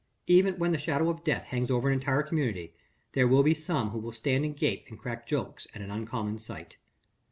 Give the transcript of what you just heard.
Even when the shadow of death hangs over an entire community, there will be some who will stand and gape and crack jokes at an uncommon sight.